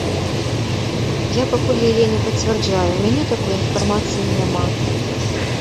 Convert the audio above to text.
Я пакуль яе не пацвярджаю, у мяне такой інфармацыі няма.